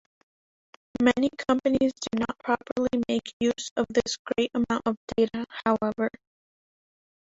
Many companies do not properly make use of this great amount of data, however.